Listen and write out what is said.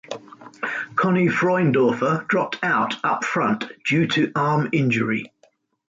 Conny Freundorfer dropped out upfront due to arm injury.